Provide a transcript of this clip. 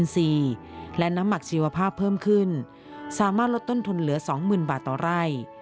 สามารถลดต้นทุนเหลือ๒๐๐๐๐บาทต่อไร่